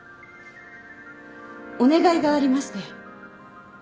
お願いがありまして。